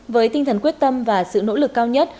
với tinh thần quyết tâm và sự nỗ lực cao nhất